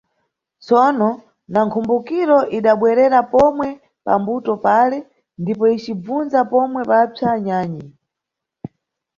Tsono, na mkhumbukiro idabwerera pomwe pa mbuto pale ndipo icibvunza pomwe papsa nyanyi.